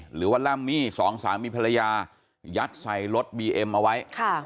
หรือว่าลัมมี่สองสามีภรรยายัดใส่รถบีเอ็มเอาไว้